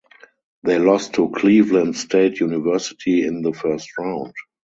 They lost to Cleveland State University in the first round.